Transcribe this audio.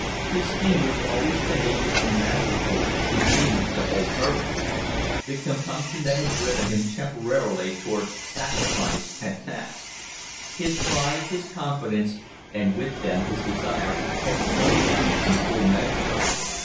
His fingers, always tenacious and masterful, continued to hold hers. The compunction that had driven him temporarily towards sacrifice had passed. His pride, his confidence, and with them his desire, had flowed back in full measure.